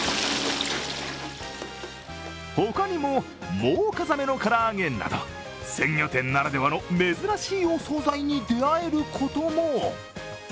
他にもモウカザメの唐揚げなど鮮魚店ならではの珍しいお総菜に出会えることも。